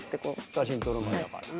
写真撮る前だから。